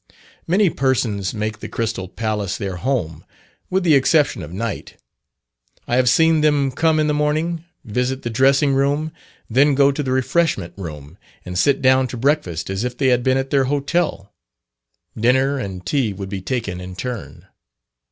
Many persons make the Crystal Palace their home, with the exception of night. I have seen them come in the morning, visit the dressing room, then go to the refreshment room, and sit down to breakfast as if they had been at their hotel. Dinner and tea would be taken in turn.